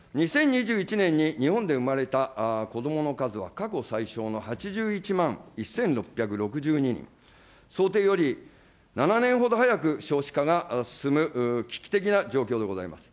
２０２１年に日本で生まれた子どもの数は過去最少の８１万１６６２人、想定より７年ほど早く少子化が進む危機的な状況でございます。